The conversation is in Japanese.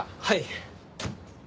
はい！